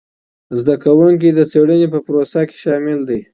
زده کوونکي د څېړنې په پروسه کي شامل دي.